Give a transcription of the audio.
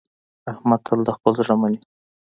احمد تل د خپل زړه مني.